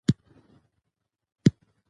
په توى سوو شېدو پيسي چیغي مه وهه!